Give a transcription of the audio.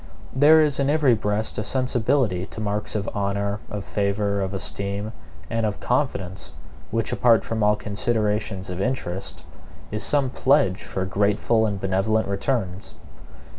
There is in every breast a sensibility to marks of honor, of favor, of esteem, and of confidence, which, apart from all considerations of interest, is some pledge for grateful and benevolent returns.